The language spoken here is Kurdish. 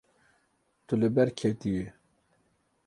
Tu li ber ketiyî.